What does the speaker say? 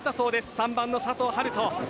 ３番の佐藤遥斗。